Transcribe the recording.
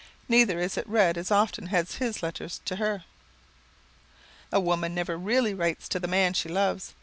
Neither is it read as often as his letters to her. A woman never really writes to the man she loves.